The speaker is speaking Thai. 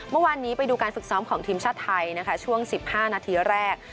เมื่อวานนี้ไปดูการฝึกซ้อมของทีมชาติไทยนะคะช่วง๑๕นาทีแรก